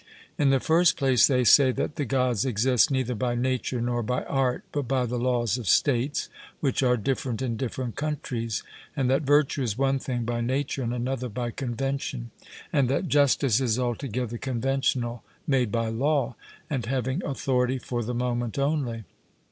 In the first place, they say that the Gods exist neither by nature nor by art, but by the laws of states, which are different in different countries; and that virtue is one thing by nature and another by convention; and that justice is altogether conventional, made by law, and having authority for the moment only.